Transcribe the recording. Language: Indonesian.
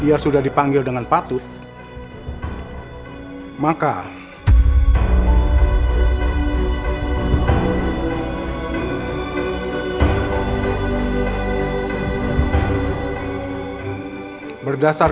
aku harus berhasil